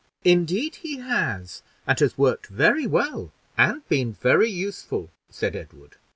"Indeed he has, and has worked very well, and been very useful," said Edward.